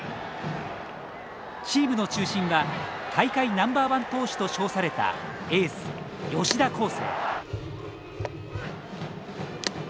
チームの中心は大会ナンバーワン投手と称されたエース吉田輝星。